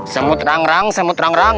semut rang rang semut rang rang